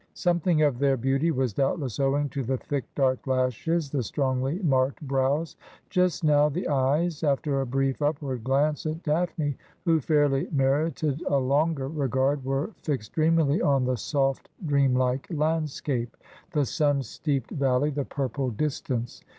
Something of their beauty was doubtless owing to the thick dark lashes, the strongly marked brows. Just now the eyes, after a brief upward glance at Daphne, who fairly merited a longer regard, were fixed dreamily on the soft dreamlike landscape — the sun steeped val ley, the purple distance.